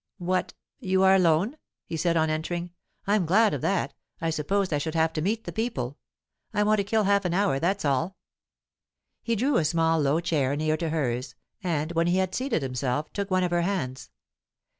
"What! you are alone?" he said on entering. "I'm glad of that. I supposed I should have to meet the people. I want to kill half an hour, that's all." He drew a small low chair near to hers, and, when he had seated himself, took one of her hands.